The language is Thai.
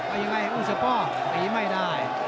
เอายังไงอุ้นเซอร์ป่อเตะอีกไม่ได้